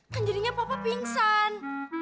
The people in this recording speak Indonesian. kan jadinya papa pingsan